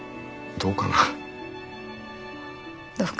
どうかな。